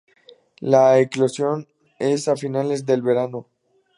La eclosión es a finales del verano.